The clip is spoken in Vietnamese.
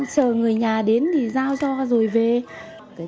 chờ người nhà đến thì giao cho rồi về